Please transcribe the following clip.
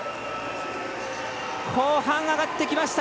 後半、上がってきました。